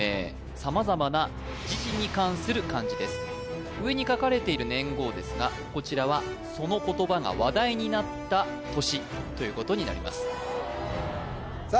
様々な時事に関する漢字です上に書かれている年号ですがこちらはその言葉が話題になった年ということになりますさあ